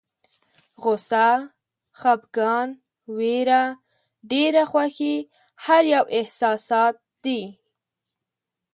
غوسه، خپګان، ویره، ډېره خوښي هر یو احساسات دي.